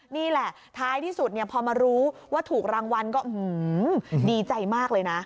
นี่แหละท้ายที่สุดพอมารู้ว่าถูกรางวัลก็ดีใจมากเลยนะ